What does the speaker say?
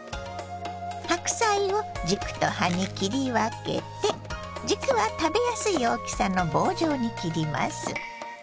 白菜を軸と葉に切り分けて軸は食べやすい大きさの棒状に切ります。